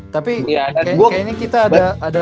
tapi kayaknya kita ada